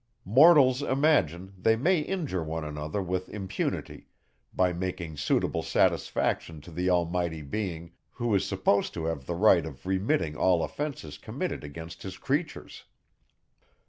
Mortals imagine, they may injure one another with impunity, by making suitable satisfaction to the almighty being, who is supposed to have the right of remitting all offences committed against his creatures.